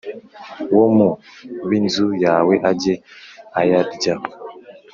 wo mu b inzu yawe ajye ayaryaho